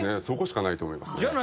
そこしかないと思いますね。